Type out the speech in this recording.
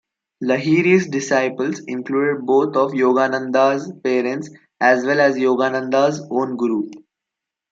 Lahiri's disciples included both of Yogananda's parents as well as Yogananda's own guru.